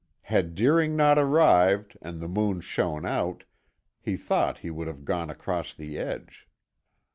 Had Deering not arrived and the moon shone out, he thought he would have gone across the edge.